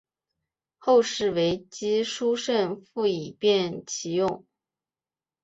后世为之机抒胜复以便其用。